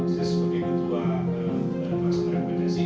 ses sebagai ketua masjid republikasi